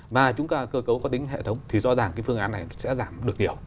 mà chúng ta cơ cấu có tính hệ thống thì rõ ràng cái phương án này sẽ giảm được nhiều